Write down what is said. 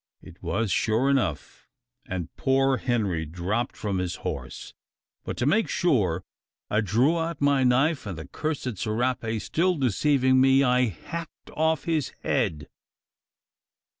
It was sure enough; and poor Henry dropped from his horse. But to make more sure, I drew out my knife; and the cursed serape still deceiving me, I hacked off his head."